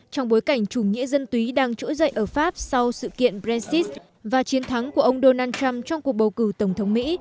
trong bối cảnh chủ nghĩa dân túy đang trỗi dậy ở pháp sau sự kiện brexit và chiến thắng của ông donald trump trong cuộc bầu cử tổng thống mỹ